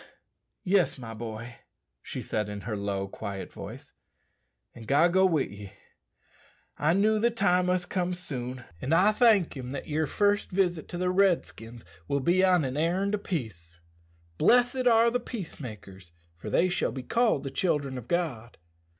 "Yes, my boy," she said in her own low, quiet voice; "and God go with ye. I knew the time must come soon, an' I thank him that your first visit to the Redskins will be on an errand o' peace. 'Blessed are the peace makers: for they shall be called the children of God.'"